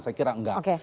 saya kira enggak